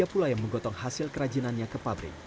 ada pula yang menggotong hasil kerajinannya ke pabrik